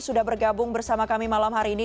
sudah bergabung bersama kami malam hari ini